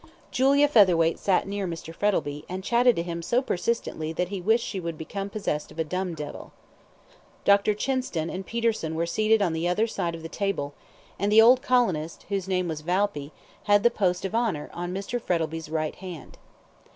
Julia Featherweight sat near Mr. Frettlby, and chatted to him so persistently that he wished she would become possessed of a dumb devil. Dr. Chinston and Peterson were seated on the other side of the table, and the old colonist, whose name was Valpy, had the post of honour, on Mr. Frettlby's right hand.